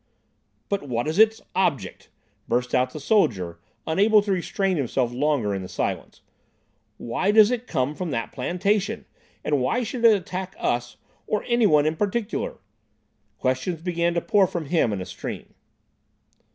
"But what is its object?" burst out the soldier, unable to restrain himself longer in the silence. "Why does it come from that plantation? And why should it attack us, or any one in particular?" Questions began to pour from him in a stream.